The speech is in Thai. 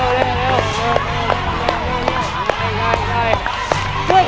เร็วเร็วเร็วเร็ว